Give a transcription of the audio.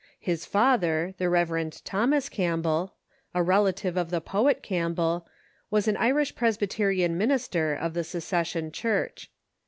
His father, the Rev. Thomas Campbell, a relative, of the poet Campbell, was an Irish Presbyterian minister of the Secession Church.